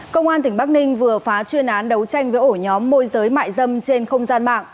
công an tỉnh bắc ninh vừa phá chuyên án đấu tranh với ổ nhóm môi giới mại dâm trên không gian mạng